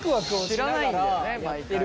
知らないんだよね毎回。